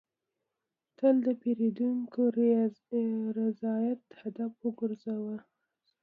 تل د پیرودونکي رضایت هدف وګرځوه.